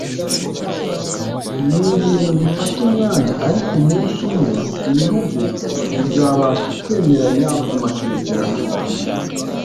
ni ibintu bifata umwanya ariko umunsi umwe ibihugu bizabasha kwemeranya ku masezerano amwe